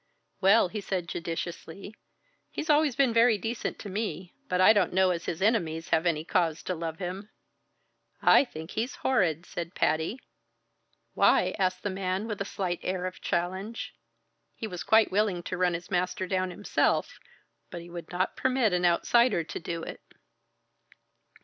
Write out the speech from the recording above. "Well," he said judiciously, "he's always been very decent to me, but I don't know as his enemies have any cause to love him." "I think he's horrid!" said Patty. "Why?" asked the man with a slight air of challenge. He was quite willing to run his master down himself, but he would not permit an outsider to do it.